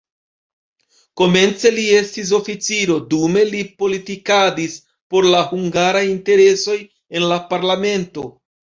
Komence li estis oficiro, dume li politikadis por la hungaraj interesoj en la parlamento.